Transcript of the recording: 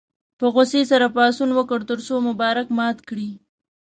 په غوسې سره پاڅون وکړ تر څو مبارک مات کړي.